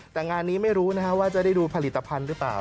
แต่งานนี้ไม่รู้นะฮะว่าจะได้ดูผลิตภัณฑ์หรือเปล่า